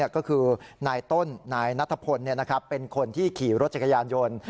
ก็คือนายต้นนายนัทพลเป็นคนที่ขี่รถจักรยานยนต์